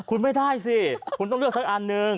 คุณไม่ได้สิคุณต้องเลือกสักอันหนึ่ง